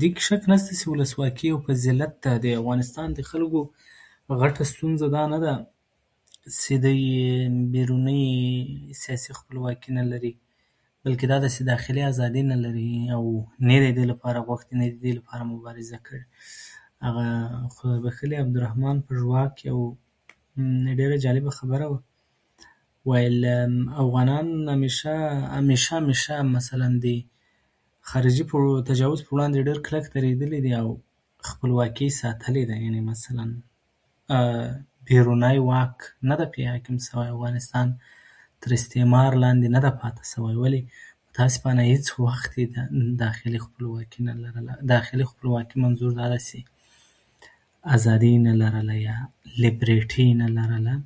دې کې شک نشته چې ولسواکي یو فضیلت دی. د افغانستان د خلکو غټه ستونزه دا نه ده چې دوی بیروني سیاسي خپلواکي نه لري، بلکې دا ده چې داخلي ازادي نه لري، او نه یې د دې لپاره غوښتې، نه یې د دې لپاره مبارزه کړې. خدای بښلي عبدالرحمن ژواک ډېره جالبه خبره وه، وايي له افغانان همېشه، همېشه، همېشه مثلاً د خارجي تجاوز په وړاندې ډېر کلک درېدلي دي او خپلواکي یې ساتلې ده. مثلاً بیرونی واک نه دی پرې حاکم شوی، افغانستان تر استعمار لاندې نه ده پاتې شوی. ولې متأسفانه هېڅ وخت یې دا داخلي خپلواکي نه لرله. داخلي خپلواکي منظور دا ده چې ازادي یې نه لرله، یا لیبرټي یې نه لرله.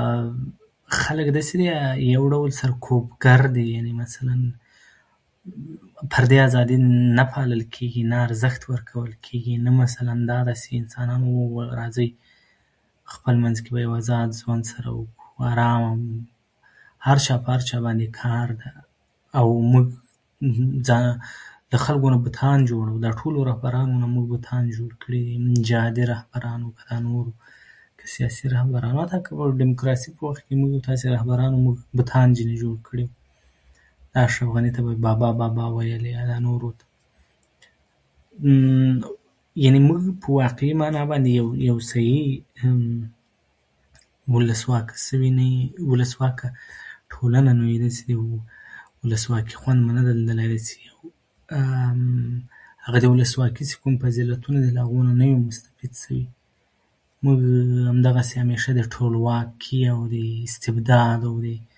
خلک داسې دي، یو څو ډول سرکوبګر دي. مثلاً فردي ازادي نه پالل کېږي، نه ارزښت ورکول کېږي، نه مثلاً دا ده چې انسانان راځه، خپل منځ کې به ازاد ژوند سره وکړو. ازام هر چا په هر چا باندې کار ده، او موږ ځان د خلکو نه بوتان جوړوو. دا ټول رهبرانو نه موږ بوتان جوړ کړي دي. جابره رهبران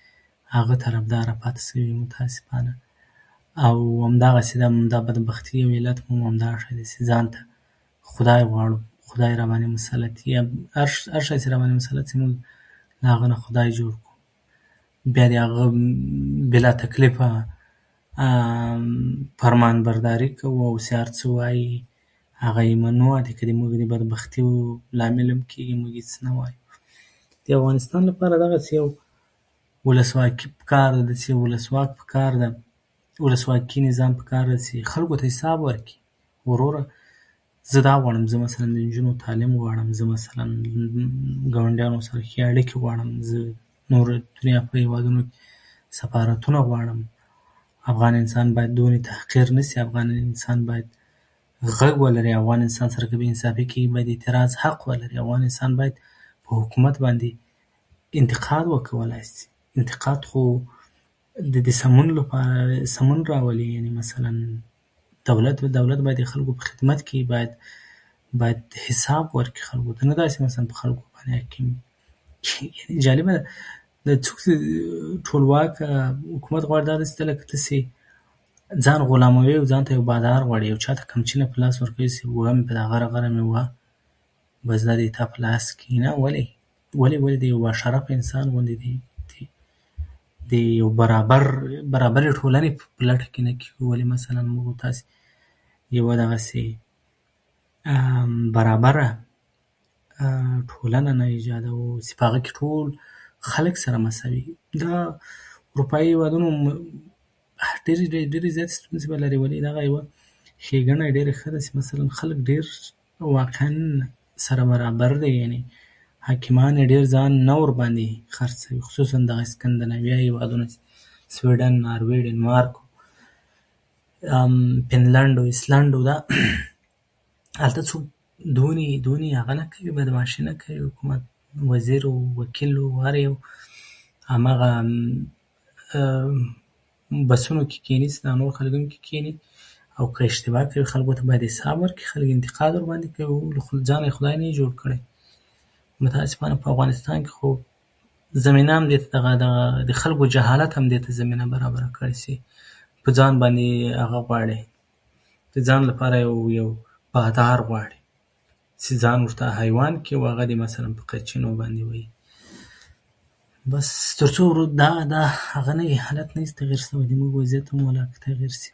وو، که دا نورو وو، که سیاسي رهبران وو، [unintelligible] دیموکراسي په وخت کې رهبران وو، موږ بوتان ترې جوړ کړي وو. اشرف غني ته مو بابا بابا ویلې، نورو ته. یعنې موږ په واقعي معنی باندې یو صحیح ولسواکه شوي نه یو، ولسواکه ټولنه نه یو. داسې یو ولسواک خوند مو نه دی لیدلی. داسې هغه د ولسواکۍ چې کوم فضیلتونه دي، د هغو څخه نه یو مستفید شوي. موږ همدغسې د ټولواکي او استبداد طرفداره پاتې شوي یو، متأسفانه. او همدغسې د بدبختي یو علت هم همدا شی ده چې دا شی خدای غواړو، خدای راباندې مسلط کړي. هر شی چې راباندې مسلط کړي، له هغه نه خدای جوړ کړو. بیا د هغه بې له تکلیفه فرمانبرداري کوو، چې هر څه وايي، هغه یې منو. که هغه زموږ د بدبختي لامل هم کېږي، موږ څه نه وایو. د افغانستان لپاره دغسې یو ولسواکي په کار ده، داسې ولسواک پکار ده، ولسواکي نظام پکار ده چې خلکو ته حساب ورکړي. وروره، زه دا غواړم، مثلاً زه د نجونو تعلیم غواړم، زه مثلاً ګاونډیانو سره ښې اړیکې غواړم، زه نورو دنیا له هېوادونو سفارتونه غواړم. افغان انسان باید دومره تحقیر نه شي، افغان انسان غږ ولري، افغان انسان سره که بې انصافي کېږي، باید د اعتراض حق ولري. افغان انسان باید په حکومت باندې انتقاد وکولای شي. انتقاد خو د سمون لپاره سمون راولي. یعنې مثلاً دولت، دولت باندې د خلکو په خدمت کې وي، باید حساب ورکړي خلکو ته. نه دا چې خلکو [unintelligible] جالبه ده چې څوک چې ټولواکه حکومت غواړي، دا داسې ده لکه ته چې ځان غلاموې، ځان ته یو بادار غواړې، چاته قمچینه ورکوې چې [unintelligible] ما وهه، دا دې ستا په لاس کې وي. ولې؟ ولې د یو شریف انسان غوندې، د یو برابر، برابرې ټولنې په لټه کې نه کېږو؟ ولې مثلاً موږ او تاسې یوه داسې برابره ټولنه نه ایجادوو چې هغه کې ټول خلک سره مساوي وي؟ دا اروپايي هېوادونه [unintelligible] ډېرې زیاتې ستونزې ولري، ولې یوه دا ځانګړنه یې ډېره ښه ده، خلک ډېر واقعاً سره برابر دي. یعنې حاکمان یې ځان ډېر نه ورباندې خرڅوي، خصوصاً سکاندیناوي هېوادونه چې دي، سویډن، ناروې، ډینمارک، فنلنډ او ایسلنډ. دا هلته څوک دومره، دومره هغه نه کوي، بدمعاشي نه کوي. حکومت، وزیر و وکیل، هر یو هماغه بسونو کې کېني چې دا نور خلک هم پکې کېني، او اشتباه کوي، خلکو ته باید حساب ورکړي، خلک انتقاد ورباندې کوي، ځان نه یې خدای نه وي جوړ کړی. متأسفانه په افغانستان کې خو زمینه هم دغې ته هغه ده، د خلکو جهالت هم دې ته زمینه برابره کړې چې په ځان باندې هغه غواړي، ځان لپاره یو، یو بادار غواړي چې ځان ورته حیوان کړي، او هغوی دې مثلاً په قمچینو باندې وهي. بس تر څو [unintelligible] دا دا نه یې تغییر شوی، زموږ وضعیت هم ولاکه تغییر شي.